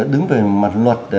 đứng về mặt luật